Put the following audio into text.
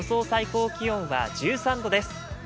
最高気温は１３度です。